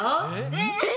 えっ？